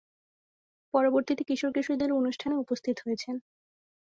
পরবর্তীতে কিশোর-কিশোরীদের অনুষ্ঠান ""-এ উপস্থিত হয়েছেন।